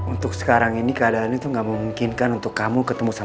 untuk sekarang ini keadaan itu gak memungkinkan untuk kamu ketemu sama